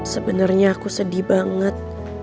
sebenarnya aku sedih banget